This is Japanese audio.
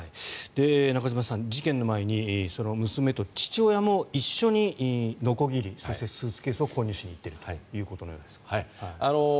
中島さん事件の前に娘と父親も一緒にのこぎり、そしてスーツケースを購入しに行っているということですが。